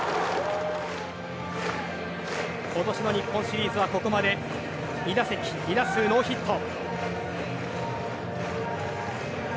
今年の日本シリーズは、ここまで２打席２打数ノーヒット。